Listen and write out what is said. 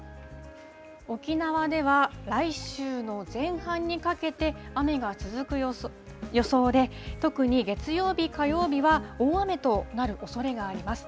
沖縄では来週の前半にかけて、雨が続く予想で、特に月曜日、火曜日は、大雨となるおそれがあります。